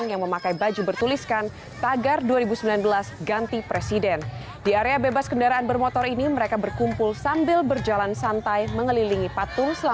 ganti presiden selamat pagi